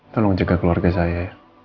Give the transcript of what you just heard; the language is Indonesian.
tolong jaga keluarga saya